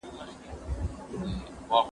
فَاصْبِرْ إِنَّ الْعَاقِبَةَ لِلْمُتَّقِينَ.